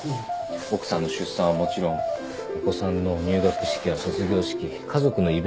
奥さんの出産はもちろんお子さんの入学式や卒業式家族のイベントで休むんです。